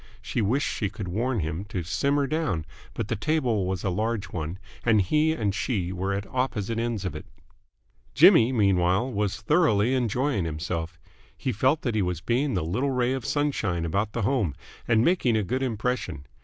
She wished she could warn him to simmer down, but the table was a large one and he and she were at opposite ends of it. Jimmy, meanwhile, was thoroughly enjoying himself. He felt that he was being the little ray of sunshine about the home and making a good impression.